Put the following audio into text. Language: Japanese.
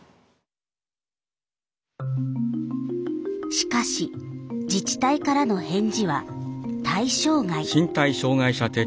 しかし自治体からの返事は「対象外」。